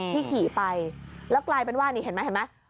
ที่ขี่ไปแล้วกลายเป็นว่านี่เห็นไหม